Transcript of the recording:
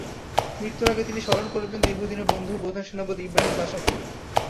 মৃত্যুর আগে তিনি স্মরণ করবেন দীর্ঘদিনের বন্ধু ও প্রধান সেনাপতি ইব্রাহিম পাশাকে।